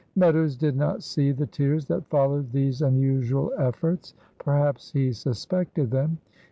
Meadows did not see the tears that followed these unusual efforts perhaps he suspected them.